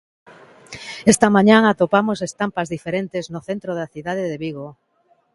Esta mañá atopamos estampas diferentes no centro da cidade de Vigo.